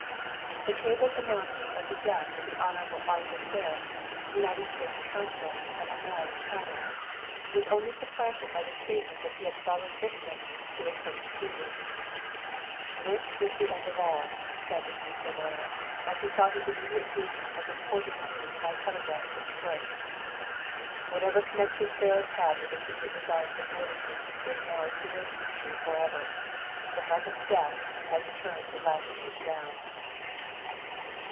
The cabled announcement of the death of the Honorable Arthur Ferris, United States Consul at Amoy, China, was only supplemented by the statement that he had fallen a victim of the coast fever. "This is the end of all," sadly mused the lawyer, as he saw his immediate duty of repeating the news by telegraph to Detroit. "Whatever connection Ferris had with the secret designs of Worthington is now a sealed mystery forever; the hand of Death has turned the last page down."